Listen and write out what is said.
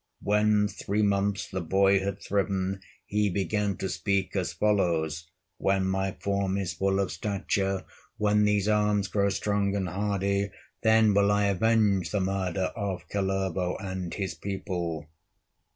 When three months the boy had thriven, He began to speak as follows: "When my form is full of stature, When these arms grow strong and hardy, Then will I avenge the murder Of Kalervo and his people!"